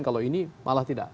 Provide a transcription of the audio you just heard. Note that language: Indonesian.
kalau ini malah tidak